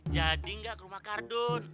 jadi gaat keri rumah kardun